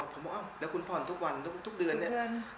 ผมบอกอ้าวเดี๋ยวคุณผ่อนทุกวันทุกเดือนเนี่ย